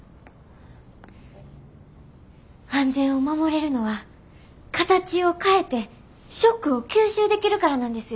安全を守れるのは形を変えてショックを吸収できるからなんですよ。